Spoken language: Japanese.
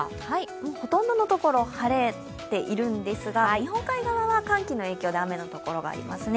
ほとんどの所、晴れているんですが、日本海側は寒気の影響で雨のところがありますね。